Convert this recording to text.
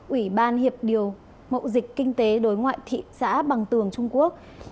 ủy ban hiệp điều mậu dịch kinh tế đối ngoại thị xã bằng tường trung quốc